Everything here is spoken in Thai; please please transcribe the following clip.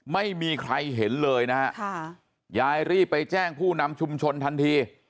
ไม่มีใครเห็นเลยนะฮะยายรีบไปแจ้งผู้นำชุมชนทันที